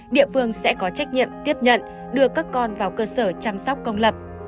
địa phương sẽ có trách nhiệm tiếp nhận đưa các con vào cơ sở chăm sóc công lập